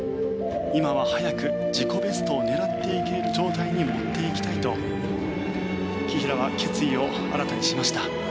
今は早く自己ベストを狙っていける状態に持っていきたいと紀平は決意を新たにしました。